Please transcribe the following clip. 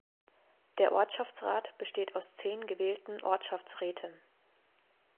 Der Ortschaftsrat besteht aus zehn gewählten Ortschaftsräten.